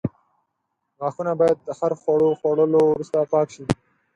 غاښونه باید د هر خواړو خوړلو وروسته پاک شي.